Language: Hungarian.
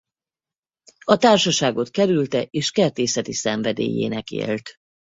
A társaságot kerülte és kertészeti szenvedélyének élt.